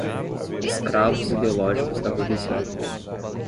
escravos ideológicos da burguesia